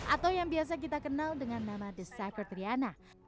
atau yang biasa kita kenal dengan nama the cycle triana